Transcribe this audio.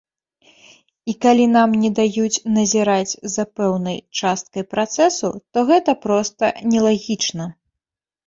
І калі нам не даюць назіраць за пэўнай часткай працэсу, то гэта проста нелагічна!